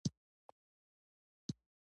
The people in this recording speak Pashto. ځمکه به ګروي، پور به اخلي، په سود به پیسې راولي.